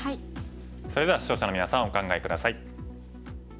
それでは視聴者のみなさんお考え下さい。